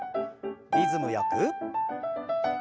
リズムよく。